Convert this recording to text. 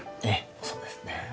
ええそうですね。